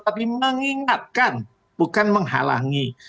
tapi mengingatkan bukan menghalangi